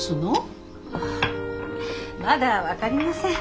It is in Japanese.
まだ分かりません。